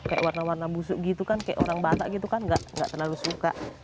kayak warna warna busuk gitu kan kayak orang batak gitu kan nggak terlalu suka